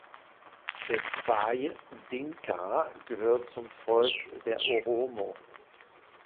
Tesfaye Dinka gehört zum Volk der Oromo.